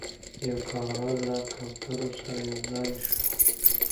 یو کارغه له کوترو سره یو ځای شو.